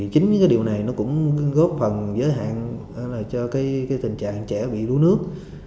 chính điều này cũng góp phần giới hạn cho tình trạng trẻ bị đuối nước